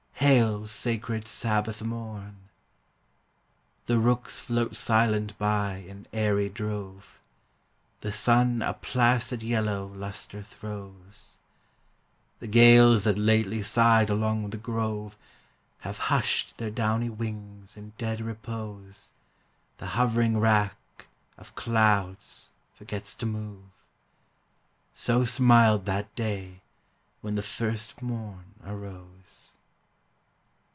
hail, sacred Sabbath morn! The rooks float silent by in airy drove; The sun a placid yellow lustre throws; The gales that lately sighed along the grove Have hushed their downy wings in dead repose The hovering rack of clouds forgets to move, So smiled that day when the first morn arose!